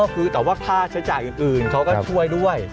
คือแต่ว่าค่าใช้จ่ายอื่นเขาก็ช่วยด้วย